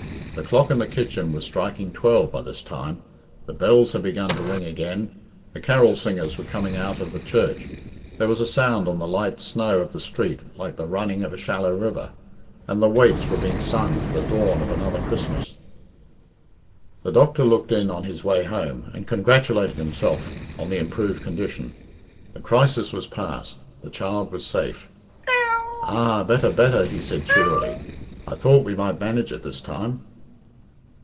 The clock in the kitchen was striking twelve by this time, the bells had begun to ring again, the carol singers were coming out of the church, there was a sound on the light snow of the street like the running of a shallow river, and the waits were being sung for the dawn of another Christmas. The doctor looked in on his way home, and congratulated himself on the improved condition. The crisis was passed, the child was safe. "Ah! better, better," he said cheerily. "I thought we might manage it this time."